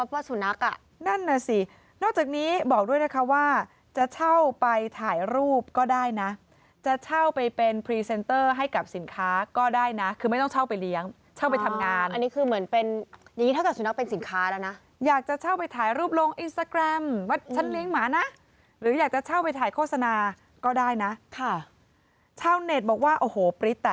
ว่าสุนัขอ่ะนั่นน่ะสินอกจากนี้บอกด้วยนะคะว่าจะเช่าไปถ่ายรูปก็ได้นะจะเช่าไปเป็นพรีเซนเตอร์ให้กับสินค้าก็ได้นะคือไม่ต้องเช่าไปเลี้ยงเช่าไปทำงานอันนี้คือเหมือนเป็นอย่างนี้ถ้าเกิดสุนัขเป็นสินค้าแล้วนะอยากจะเช่าไปถ่ายรูปลงอินสตาแกรมว่าฉันเลี้ยงหมานะหรืออยากจะเช่าไปถ่ายโฆษณาก็ได้นะค่ะชาวเน็ตบอกว่าโอ้โห